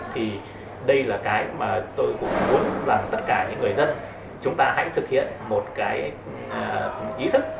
thì đây là cái mà tôi cũng muốn rằng tất cả những người dân chúng ta hãy thực hiện một cái ý thức